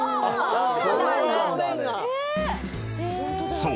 ［そう。